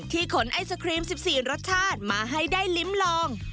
ขนไอศครีม๑๔รสชาติมาให้ได้ลิ้มลอง